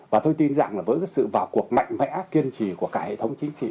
và tôi tin rằng là với sự vào cuộc mạnh mẽ kiên trì của cả hệ thống chính trị